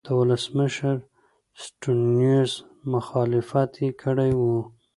د ولسمشر سټیونز مخالفت یې کړی و.